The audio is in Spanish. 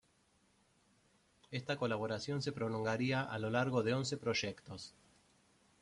Esta colaboración se prolongaría a lo largo de once proyectos.